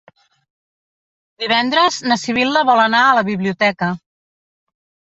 Divendres na Sibil·la vol anar a la biblioteca.